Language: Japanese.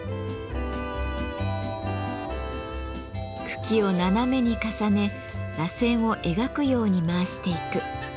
茎を斜めに重ねらせんを描くように回していく。